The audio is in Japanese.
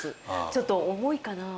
ちょっと重いかなぁ。